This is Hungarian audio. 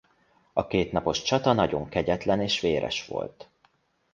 A kétnapos csata nagyon kegyetlen és véres volt.